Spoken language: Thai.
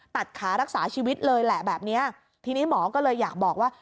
ตัดขารักษาชีวิตเลยแหละแบบเนี้ยทีนี้หมอก็เลยอยากบอกว่า